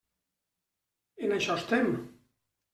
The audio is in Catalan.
En això estem.